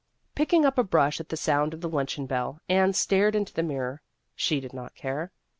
Picking up a brush at the sound of the luncheon bell, Anne stared into the mirror. She did not care.